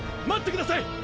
待ってください！